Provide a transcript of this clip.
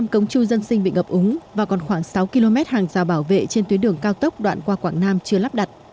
một mươi cống chu dân sinh bị ngập úng và còn khoảng sáu km hàng rào bảo vệ trên tuyến đường cao tốc đoạn qua quảng nam chưa lắp đặt